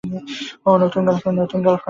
ওহ, নতুন গার্লফ্রেন্ড!